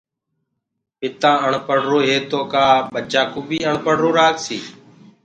پتآ اڻپڙهرو هي تو ڪآٻچآ ڪو بي آڻپڙهرو رآکسي